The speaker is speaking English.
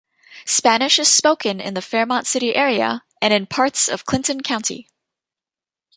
Spanish is spoken in the Fairmont City area, and in parts of Clinton County.